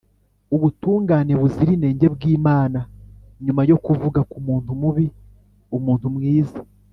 ubutungane buzira inenge bw'Imana Nyuma yo kuvuga ku muntu mubi, umuntu mwiza,